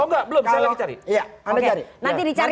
kalau ngomong jangan lelah